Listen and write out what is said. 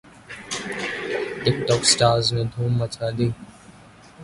ٹک ٹوک سٹارز نے دھوم مچا دی